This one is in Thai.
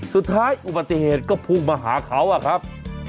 สุดท้ายอุบัติเหตุก็พุ่งมาหาเขาอะครับ